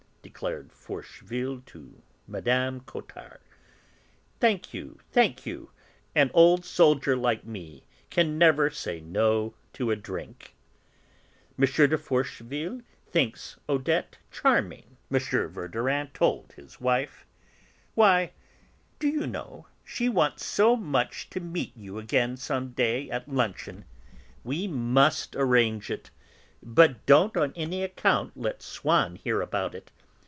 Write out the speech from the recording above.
declared Forcheville to Mme. Cottard. "Thank you, thank you, an old soldier like me can never say 'No' to a drink." "M. de Forcheville thinks Odette charming," M. Verdurin told his wife. "Why, do you know, she wants so much to meet you again some day at luncheon. We must arrange it, but don't on any account let Swann hear about it.